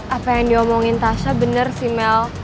apa yang diomongin tasha bener sih mel